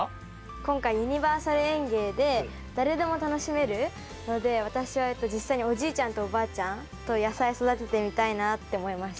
今回ユニバーサル園芸で誰でも楽しめるので私は実際におじいちゃんとおばあちゃんと野菜育ててみたいなって思いました。